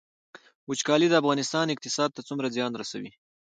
وچکالي د افغانستان اقتصاد ته څومره زیان رسوي؟